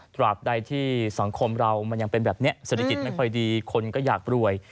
ตราบใดที่สังคมเรามันยังเป็นแบบนี้เศรษฐกิจไม่ค่อยดีคนก็อยากรวย